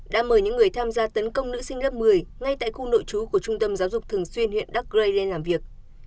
đã mời những người tham gia tấn công nữ sinh lớp một mươi ngay tại khu nội trú của trung tâm giáo dục thường xuyên huyện đắk rây lên làm việc